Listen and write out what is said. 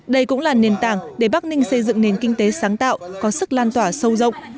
đây cũng là nền tảng để bắc ninh xây dựng nền kinh tế sáng tạo có sức lan tỏa sâu rộng